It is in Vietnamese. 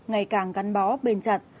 ngày càng gắn bó bền chặt